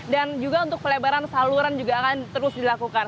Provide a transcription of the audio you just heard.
dan juga untuk pelebaran saluran juga akan terus dilakukan